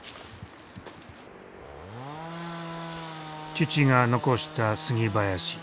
父が残した杉林。